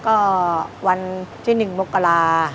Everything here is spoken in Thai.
ก็วันที่๑มกรา